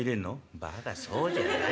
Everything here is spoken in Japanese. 「バカそうじゃない。